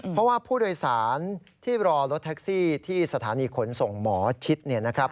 เพราะว่าผู้โดยสารที่รอรถแท็กซี่ที่สถานีขนส่งหมอชิดเนี่ยนะครับ